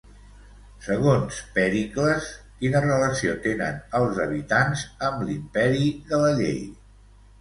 Segons Pèricles, quina relació tenen els habitants amb l'imperi de la llei?